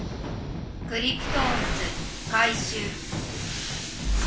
クリプトオンズ回しゅう。